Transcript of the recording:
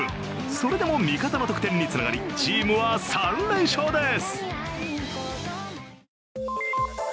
それでも味方の得点につながり、チームは３連勝です。